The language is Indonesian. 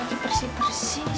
ih lagi bersih bersih